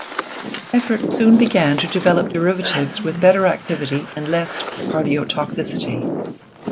Effort soon began to develop derivatives with better activity and less cardiotoxicity.